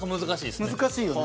品川：難しいよね。